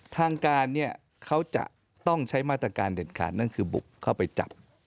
ทางการเนี่ยเขาจะต้องใช้มาตรการเด็ดขาดนั่นคือบุกเข้าไปจับ